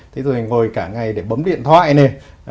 thế rồi ngồi cả ngày để bấm điện thoại nè